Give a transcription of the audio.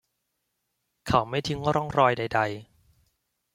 เขาไม่ทิ้งร่องรอยใด ๆ